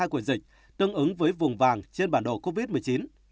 của dịch tương ứng với vùng vàng trên bản đồ covid một mươi chín